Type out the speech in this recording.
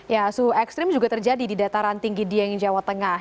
ya suhu ekstrim juga terjadi di dataran tinggi dieng jawa tengah